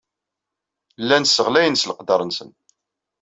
Llan sseɣlayen s leqder-nsen.